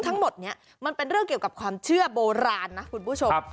ทั้งหมดนี้มันเป็นเรื่องเกี่ยวกับความเชื่อโบราณนะคุณผู้ชม